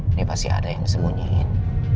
ini pasti ada yang disembunyiin